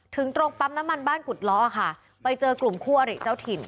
ถึงตรงปั๊มน้ำมันบ้านกุฎล้อค่ะไปเจอกลุ่มคู่อริเจ้าถิ่น